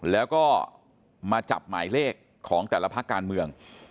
แล้วก็มาจับหมายเลขของแต่ละพักการเมือง